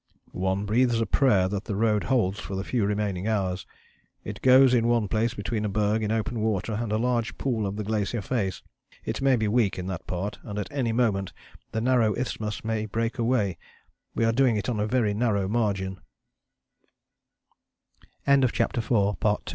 "One breathes a prayer that the Road holds for the few remaining hours. It goes in one place between a berg in open water and a large pool of the Glacier face it may be weak in that part, and at any moment the narrow isthmus may break away. We are doing it on a very narrow margin." FOOTNOTES: Scott's Last Expedition, vol.